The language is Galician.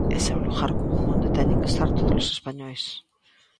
Ese é o lugar común onde teñen que estar todos os españois.